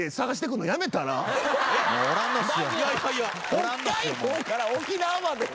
北海道から沖縄まで。